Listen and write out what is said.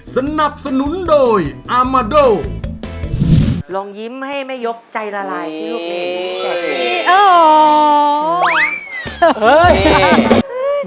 สนับสนุนโดยอามาโด่ลองยิ้มให้ไม่ยกใจละลายชื่อลูกเน้น